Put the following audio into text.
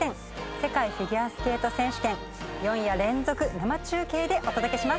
『世界フィギュアスケート選手権』４夜連続生中継でお届けします。